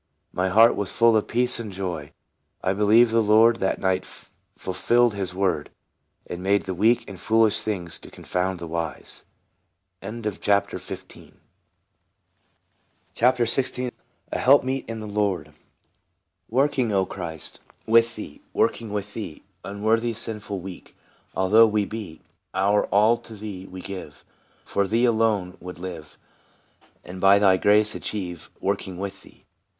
My heart was full of peace and joy, and I be lieve the Lord that night fulfilled his word, and made the weak and foolish things to con found the wise. A HELPMEET IN THE LORD. 7 1 CHAPTER XVI. A HELPMEET IN THE LORD. " Working, O Christ, with thee, Working with thee, Unworthy, sinful, weak, Although we be ; Our all to thee we give, For thee alone would live, And by thy grace achieve, Working with thee."